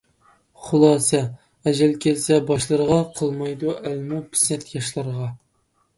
خۇلاسە:ئەجەل كەلسە باشلىرىغا، قىلمايدۇ ئەلمۇ پىسەنت ياشلىرىغا.